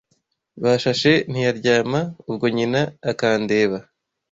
Bashashe ntiyalyama Ubwo nyina akandeba